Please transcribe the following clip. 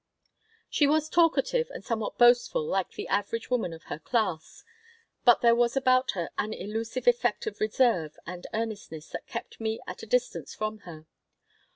She was talkative and somewhat boastful like the average woman of her class, but there was about her an elusive effect of reserve and earnestness that kept me at a distance from her.